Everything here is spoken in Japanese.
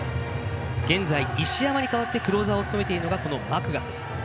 現在、石山に代わってクローザーを務めているのがマクガフ。